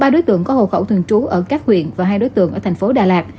ba đối tượng có hồ khẩu thường trú ở các huyện và hai đối tượng ở thành phố đà lạt